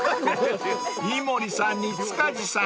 ［井森さんに塚地さん